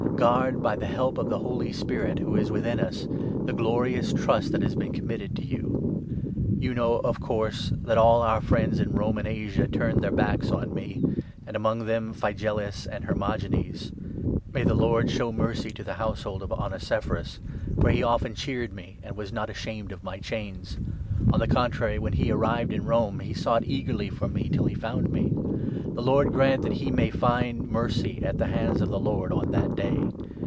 Guard by the help of the Holy Spirit, who is 14 within us, the glorious trust that has been committed to you. You know, of course, that all our friends in 15 onesiphorus. Roman ^sia turned their backs on me, and among them Phygellus and Hermogenes. May the Lord 16 show mercy to the household of Onesiphorus ; for he often cheered me and was not ashamed of my chains. On the con 17 trary, when he arrived in Rome, he sought eagerly for me till he found me. The Lord grant that he may find mercy at the 18 hands of the Lord on ' That Day.'